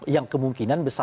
yang kemungkinan besar besar